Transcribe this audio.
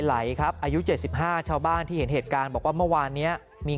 ไหลครับอายุ๗๕ชาวบ้านที่เห็นเหตุการณ์บอกว่าเมื่อวานนี้มี